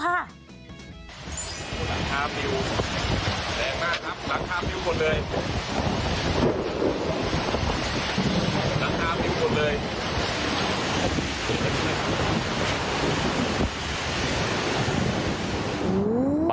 หลังคามิวแรงมากครับหลังคามิวหมดเลย